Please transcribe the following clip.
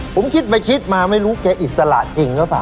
ผมคิดไปคิดมาไม่รู้แกอิสระจริงหรือเปล่า